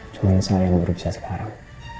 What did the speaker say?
cuma saya yang berusaha sekarang